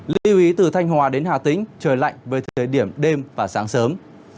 lưu ý từ thanh hòa đến hà tĩnh trời lạnh với thời điểm đêm và sáng sớm